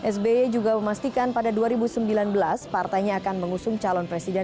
sby juga memastikan pada dua ribu sembilan belas partainya akan mengusung calon presiden